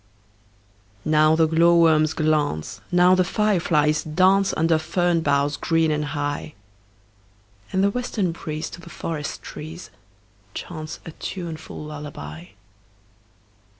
Now the glowworms glance, Now the fireflies dance, Under fern boughs green and high; And the western breeze To the forest trees Chants a tuneful lullaby.